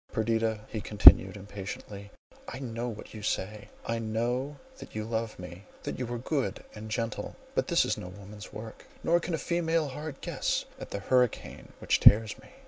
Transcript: "Perdita," he continued, impatiently, "I know what you would say; I know that you love me, that you are good and gentle; but this is no woman's work—nor can a female heart guess at the hurricane which tears me!"